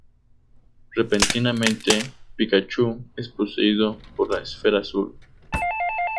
Repentinamente, Pikachu es poseído por la Esfera Azul.